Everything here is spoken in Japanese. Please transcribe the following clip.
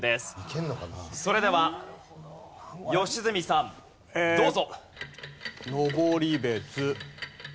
それでは良純さんどうぞ。